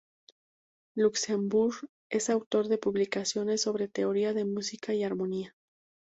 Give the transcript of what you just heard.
Luxemburg es autor de publicaciones sobre Teoría de Música y Armonía.